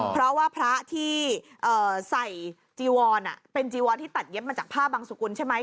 เพราะว่าพระที่ใส่จีวรเป็นจีวอนที่ตัดเย็บมาจากผ้าบังสุกุลใช่ไหม